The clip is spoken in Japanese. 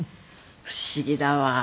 不思議だわ。